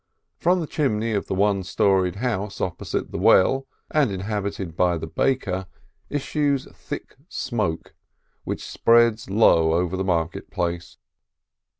From the chimney of the one storied house opposite the well and inhabited by the baker, issues thick smoke, which spreads low over the market place.